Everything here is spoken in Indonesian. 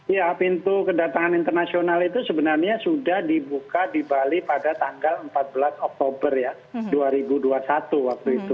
ya pintu kedatangan internasional itu sebenarnya sudah dibuka di bali pada tanggal empat belas oktober ya dua ribu dua puluh satu waktu itu